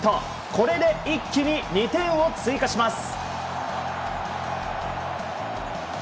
これで一気に２点を追加します。